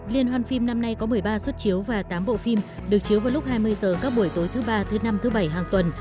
liên hoan phim năm nay có một mươi ba xuất chiếu và tám bộ phim được chiếu vào lúc hai mươi h các buổi tối thứ ba thứ năm thứ bảy hàng tuần